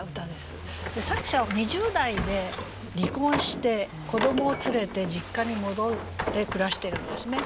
作者は２０代で離婚して子どもを連れて実家に戻って暮らしてるんですね。